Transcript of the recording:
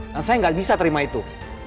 dan saya gak bisa terima itu